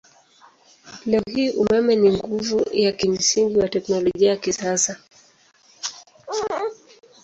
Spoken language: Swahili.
Leo hii umeme ni nguvu ya kimsingi wa teknolojia ya kisasa.